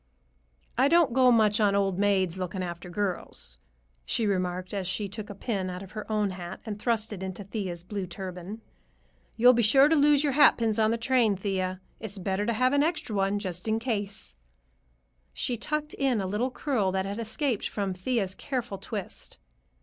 "I don't go much on old maids looking after girls," she remarked as she took a pin out of her own hat and thrust it into Thea's blue turban. "You'll be sure to lose your hatpins on the train, Thea. It's better to have an extra one in case." She tucked in a little curl that had escaped from Thea's careful twist.